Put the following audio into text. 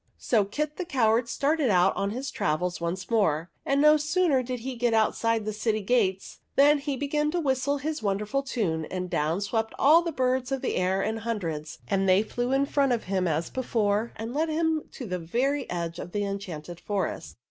So Kit the Coward started out on his travels once more ; and no sooner did he get outside the city gates than he began to whistle his wonderful tune, and down swept all the birds of the air in hundreds, and they flew in front of him as before and led him to the very edge of the enchanted forest.